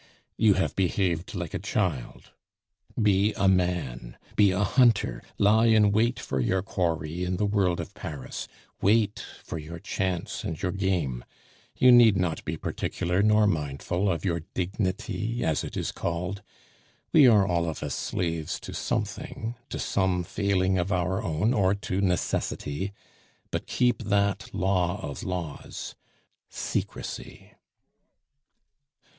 You have behaved like a child; be a man, be a hunter, lie in wait for your quarry in the world of Paris, wait for your chance and your game; you need not be particular nor mindful of your dignity, as it is called; we are all of us slaves to something, to some failing of our own or to necessity; but keep that law of laws secrecy."